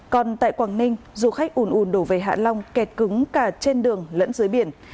còn tại quảng ninh du khách ùn ủn đổ về hạ long kẹt cứng cả trên đường lẫn dưới biển